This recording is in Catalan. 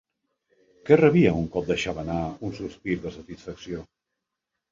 Què rebia un cop deixava anar un sospir de satisfacció?